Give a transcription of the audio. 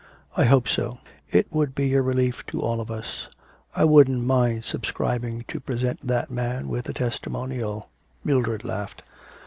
'I hope so. It would be a relief to all of us. I wouldn't mind subscribing to present that man with a testimonial.' Mildred laughed.